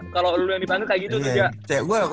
kalau lu yang dibangun kayak gitu tuh ja